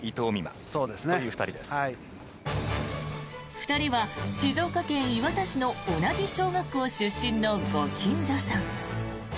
２人は静岡県磐田市の同じ小学校出身のご近所さん。